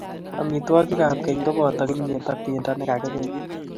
Amitwogiikab keny koboto kimnyet ako bendo ne kakibel.